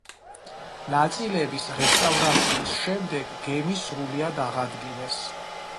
ნაწილების რესტავრაციის შემდეგ გემი სრულიად აღადგინეს.